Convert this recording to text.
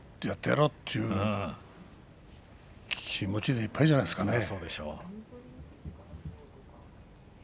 やってやろうという気持ちでいっぱいじゃないですか。